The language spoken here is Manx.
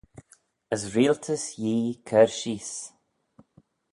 As reiltys Yee cur sheese.